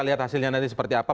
lihat hasilnya nanti seperti apa